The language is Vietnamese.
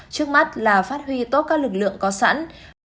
trước mắt là phát huy tốt các lực lượng có sẵn